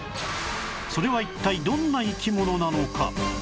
それは一体どんな生き物なのか？